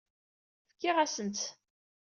Fkiɣ-asen-tt.